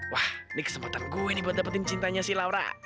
wah ini kesempatan gue ini buat dapetin cintanya si laura